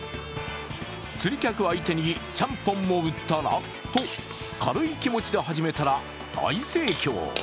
釣り客相手にちゃんぽんも売ったらと軽い気持ちで始めたら大盛況。